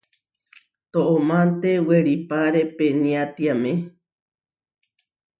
Toománte weripáre peniátiame.